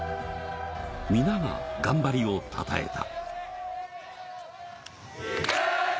皆が頑張りをたたえた。